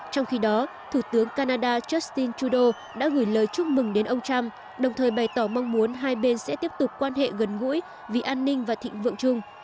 trong khi đó thủ tướng canada justin trudeau đã gửi lời chúc mừng đến ông trump đồng thời bày tỏ mong muốn hai bên sẽ tiếp tục quan hệ gần gũi vì an ninh và thịnh vượng chung